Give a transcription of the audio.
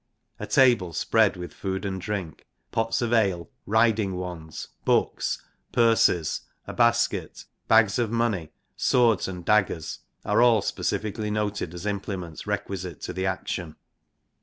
A table spread with food and drink, pots of ale, riding wands, books, purses, a basket, bags of money, swords and daggers, are all specifically noted as implements requisite to the action.